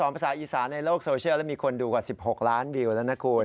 ภาษาอีสานในโลกโซเชียลแล้วมีคนดูกว่า๑๖ล้านวิวแล้วนะคุณ